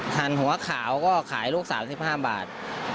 ทานหัวขาวก็ขายลูก๓๕บาท